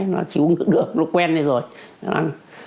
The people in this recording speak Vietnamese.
nó chỉ uống được được nó quen rồi nó ăn